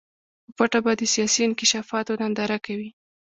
په پټه به د سیاسي انکشافاتو ننداره کوي.